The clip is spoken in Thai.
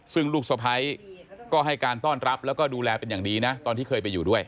ซึ่งลูกสะพ้ายก็ให้การต้อนรับแล้วก็ดูแลเป็นอย่างดีนะตอนที่เคยไปอยู่ด้วย